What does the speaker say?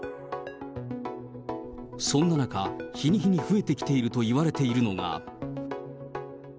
そんな中、日に日に増えてきているといわれているのが。